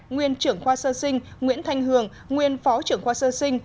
nguyên trưởng khoa sơ sinh nguyễn thanh hường nguyên phó trưởng khoa sơ sinh